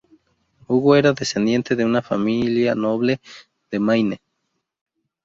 Hugo era descendiente de una familia noble de Maine.